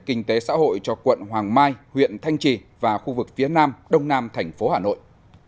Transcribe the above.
kinh tế xã hội cho quận hoàng mai huyện thanh trì và khu vực phía nam đông nam thành phố hà nội